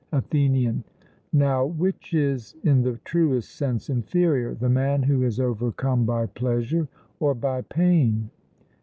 ATHENIAN: Now, which is in the truest sense inferior, the man who is overcome by pleasure or by pain?